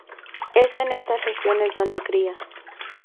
Es en estas regiones donde cría.